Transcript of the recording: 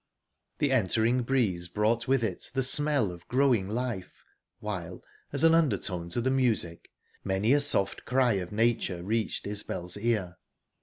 The entering breeze brought with it the smell of growing life, while, as an undertone to the music, many a soft cry of nature reached Isbel's ear.